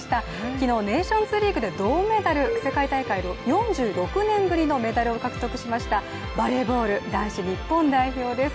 昨日ネーションズリーグで銅メダル世界大会４６年ぶりのメダルを獲得しましたバレーボール男子日本代表です。